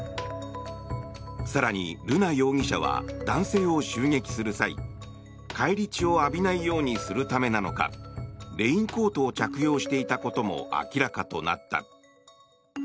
更に瑠奈容疑者は男性を襲撃する際返り血を浴びないようにするためなのかレインコートを着用していたことも明らかとなった。